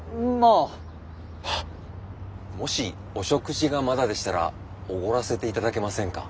あっもしお食事がまだでしたらおごらせていただけませんか？